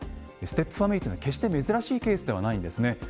ステップファミリーというのは決して珍しいケースではないんですね。